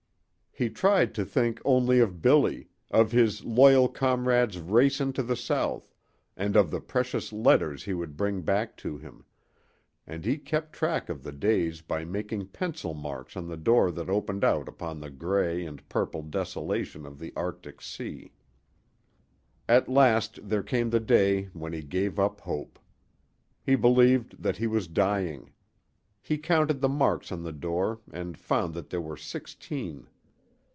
He tried to think only of Billy, of his loyal comrade's race into the south, and of the precious letters he would bring back to him; and he kept track of the days by making pencil marks on the door that opened out upon the gray and purple desolation of the arctic sea. At last there came the day when he gave up hope. He believed that he was dying. He counted the marks on the door and found that there were sixteen.